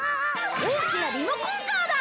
大きなリモコンカーだ！